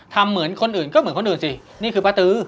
เหมือนคนอื่นก็เหมือนคนอื่นสินี่คือป้าตื้อ